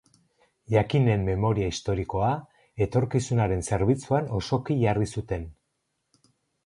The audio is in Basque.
Jakin-en memoria historikoa etorkizunaren zerbitzuan osoki jarri zuten.